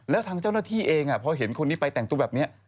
แล้วทางเจ้าหน้าที่เองพอเห็นคนนี้ไปแต่งตัวแบบนี้